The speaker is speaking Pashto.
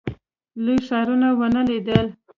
لوی ښارونه ونه لیدل.